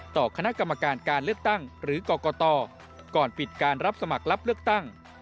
ต่อคณะกรรมการการเลือกตั้งหรือกรกตก่อนปิดการรับสมัครรับเลือกตั้ง